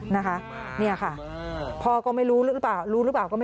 นี่ค่ะพอก็ไม่รู้หรือเปล่ารู้หรือเปล่าก็ไม่รู้